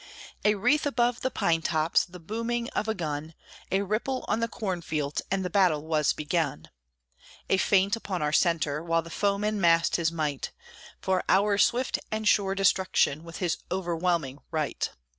A wreath above the pine tops, The booming of a gun; A ripple on the cornfields, And the battle was begun. A feint upon our centre, While the foeman massed his might, For our swift and sure destruction, With his overwhelming "right."